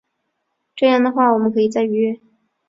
这样的话我们可以再约